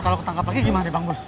kalau ketangkap lagi gimana bang mus